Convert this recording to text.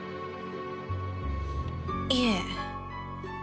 いえ。